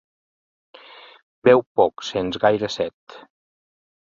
Beu poc, sens gaire set.